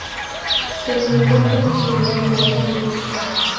Se lo encuentra en Kenya y Tanzania.